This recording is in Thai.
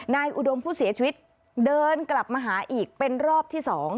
อุดมผู้เสียชีวิตเดินกลับมาหาอีกเป็นรอบที่๒